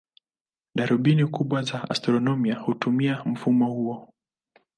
Darubini kubwa za astronomia hutumia mfumo huo.